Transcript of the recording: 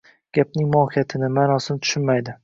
Gapning mohiyatini, maʼnosini tushunmaydi.